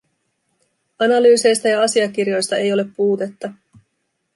Analyyseista ja asiakirjoista ei ole puutetta.